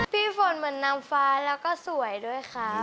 พี่ฝนเหมือนนางฟ้าแล้วก็สวยด้วยค่ะ